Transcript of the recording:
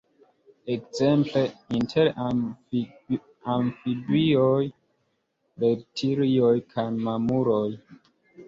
Ekzemple, inter amfibioj, reptilioj kaj mamuloj.